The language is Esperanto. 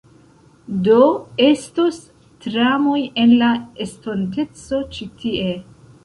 Do, estos tramoj en la estonteco ĉi tie